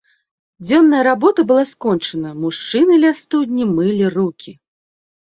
Дзённая работа была скончана, мужчыны ля студні мылі рукі.